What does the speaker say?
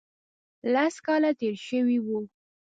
لس کاله تېر شوي وو.